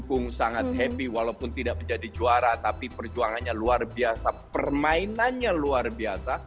pendukung sangat happy walaupun tidak menjadi juara tapi perjuangannya luar biasa permainannya luar biasa